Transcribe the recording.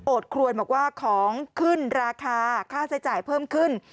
ครวนบอกว่าของขึ้นราคาค่าใช้จ่ายเพิ่มขึ้น